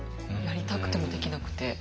やりたくてもできなくて。